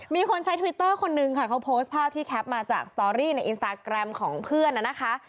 มีคนใช้ทวิตเตอร์คนนึงค่ะเขาโพสต์ภาพที่แคปมาจากสตอรี่ในอินสตาแกรมของเพื่อนนะคะ